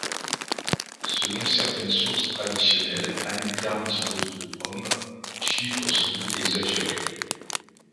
Selon certaines sources traditionnelles, Hamilcar dispose de hommes, chiffre sans doute exagéré.